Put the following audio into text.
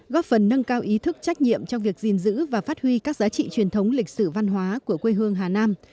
góp phần nâng cao ý thức trách nhiệm trong việc gìn giữ và phát huy các giá trị truyền thống lịch sử văn hóa của quê hương hà nam